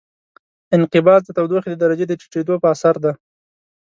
انقباض د تودوخې د درجې د ټیټېدو په اثر دی.